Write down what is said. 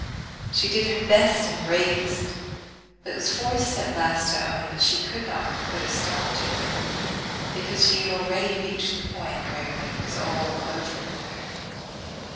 She did her best and bravest, but was forced at last to own that she could not "put a stop to it," because she had already reached the point where "it was all over with her."